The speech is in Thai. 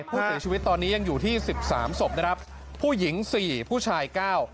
ผู้เสียชีวิตตอนนี้ยังอยู่ที่๑๓ศพผู้หญิง๔ผู้ชาย๙